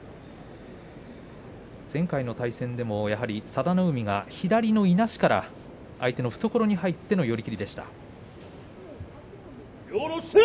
前回の対戦では佐田の海が左のいなしから相手の懐に入っての寄り切りでした。